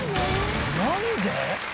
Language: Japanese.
何で？